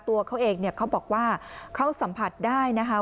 ตัวเขาเองเนี่ยเขาบอกว่าเขาสัมผัสได้นะคะ